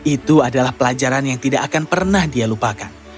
itu adalah pelajaran yang tidak akan pernah dia lupakan